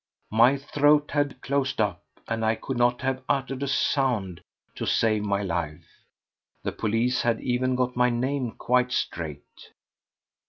My throat had closed up, and I could not have uttered a sound to save my life. The police had even got my name quite straight!